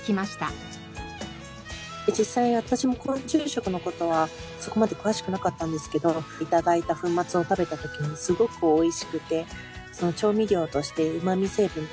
実際に私も昆虫食の事はそこまで詳しくなかったんですけど頂いた粉末を食べた時にすごくおいしくて。